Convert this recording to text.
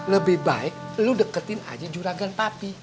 lebih baik lo deketin aja juragan papi